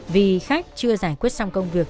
vì khách chưa giải quyết xong công việc